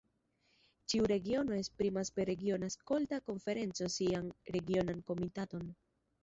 Ĉiu regiono esprimas per regiona skolta konferenco sian regionan komitaton.